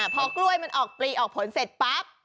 พอกล้วยมันออกปลีออกผลเสร็จปั๊บ